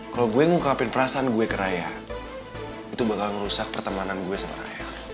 kalau gue ngungkapin perasaan gue ke raya itu bakal merusak pertemanan gue sama raya